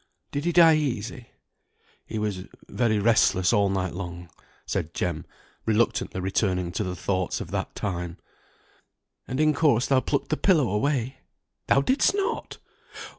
Did he die easy?" "He was very restless all night long," said Jem, reluctantly returning to the thoughts of that time. "And in course thou plucked the pillow away? Thou didst not!